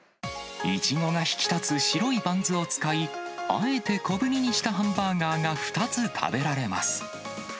イチゴが引き立つ白いバンズを使い、あえて小ぶりにしたハンバーガーが２つ食べられます。